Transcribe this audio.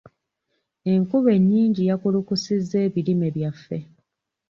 Enkuba ennyingi yakulukusizza ebirime byaffe.